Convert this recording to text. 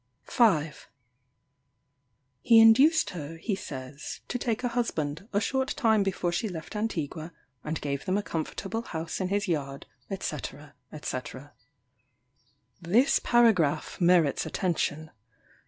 5. He induced her, he says, to take a husband, a short time before she left Antigua, and gave them a comfortable house in his yard, &c. &c. This paragraph merits attention.